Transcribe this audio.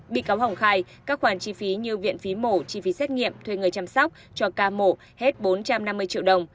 bị cáo hồng khai các khoản chi phí như viện phí mổ chi phí xét nghiệm thuê người chăm sóc cho ca mổ hết bốn trăm năm mươi triệu đồng